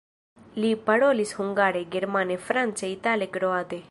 Li parolis hungare, germane, france, itale, kroate.